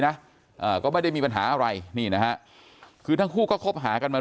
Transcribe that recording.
นะอ่าก็ไม่ได้มีปัญหาอะไรนี่นะฮะคือทั้งคู่ก็คบหากันมา